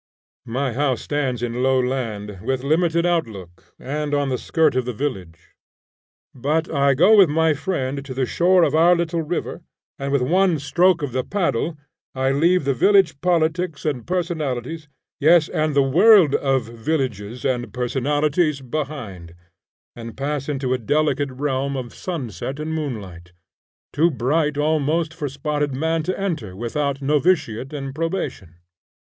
My house stands in low land, with limited outlook, and on the skirt of the village. But I go with my friend to the shore of our little river, and with one stroke of the paddle I leave the village politics and personalities, yes, and the world of villages and personalities behind, and pass into a delicate realm of sunset and moonlight, too bright almost for spotted man to enter without novitiate and probation.